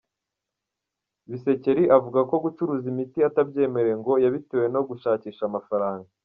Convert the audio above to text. Bisekeri avuga ko gucuruza imiti atabyemerewe ngo yabitewe no gushakisha amafaranga.